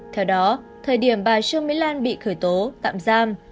theo đó thời điểm bà trương mỹ lan bị khởi tố tạm giam